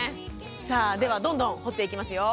さあではどんどん掘っていきますよ。